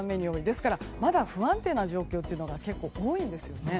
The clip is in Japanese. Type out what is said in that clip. ですからまだ不安定な状況が多いんですね。